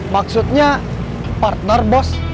maksudnya partner bos